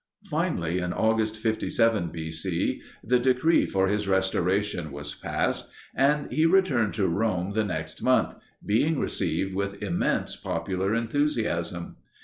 Finally in August, 57 B. C., the decree for his restoration was passed, and he returned to Rome the next month, being received with immense popular enthusiasm.